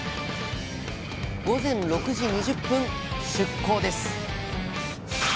午前６時２０分出港です